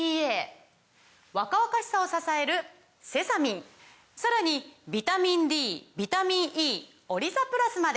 若々しさを支えるセサミンさらにビタミンＤビタミンＥオリザプラスまで！